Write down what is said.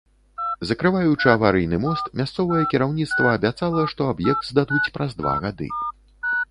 Закрываючы аварыйны мост, мясцовае кіраўніцтва абяцала, што аб'ект здадуць праз два гады.